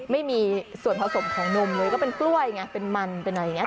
ไม่มีส่วนผสมของนมเลยก็เป็นกล้วยไงเป็นมันเป็นอะไรอย่างนี้